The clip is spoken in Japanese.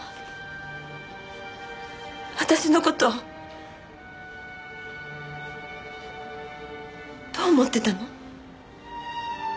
私の事どう思ってたの？